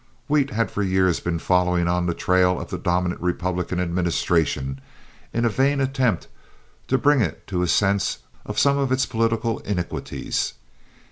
Wheat had for years been following on the trail of the dominant Republican administration in a vain attempt to bring it to a sense of some of its political iniquities.